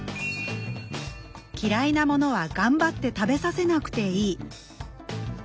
嫌いなものは頑張って食べさせなくていい。